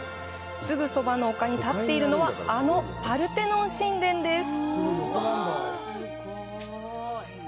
すぐそばの丘に建っているのはあのパルテノン神殿です。